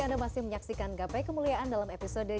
jangan menyaksikan gapai kemuliaan dalam episode